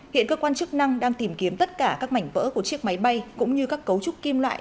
hiện cơ quan chức năng đang tìm kiếm tất cả các mảnh vỡ của chiếc máy bay cũng như các cấu trúc kim loại